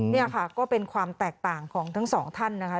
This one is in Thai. นี่ค่ะก็เป็นความแตกต่างของทั้งสองท่านนะคะ